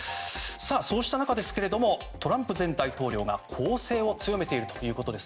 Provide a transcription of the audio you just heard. そうした中、トランプ前大統領が攻勢を強めているということです。